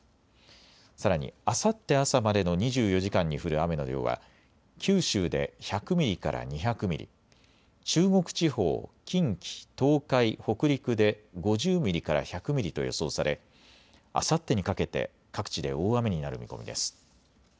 さらに、あさって朝までの２４時間に降る雨の量は九州で１００ミリから２００ミリ、中国地方、近畿、東海、北陸で５０ミリから１００ミリと予想されあさってにかけて各地で大雨になる見込みです。